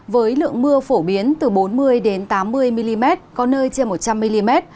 với lượng mưa phổ biến từ bốn mươi tám mươi mm có nơi trên một trăm linh mm